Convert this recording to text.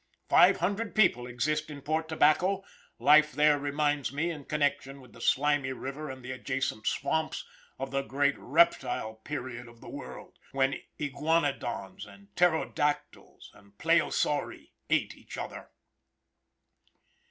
Five hundred people exist in Port Tobacco; life there reminds me, in connection with the slimy river and the adjacent swamps, of the great reptile period of the world, when iguanadons and pterodactyls and pleosauri ate each other.